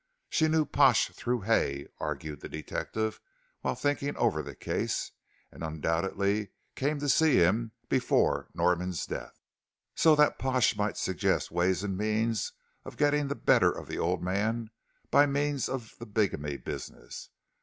"She knew Pash through Hay," argued the detective, while thinking over the case, "and undoubtedly came to see him before Norman's death, so that Pash might suggest ways and means of getting the better of the old man by means of the bigamy business.